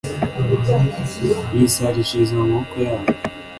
yisarishiriza mu maboko yabo